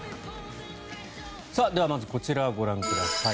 では、まずこちらをご覧ください。